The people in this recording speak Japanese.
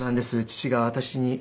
父が私に。